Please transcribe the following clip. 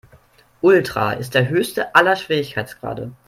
Ultra ist der höchste aller Schwierigkeitsgrade.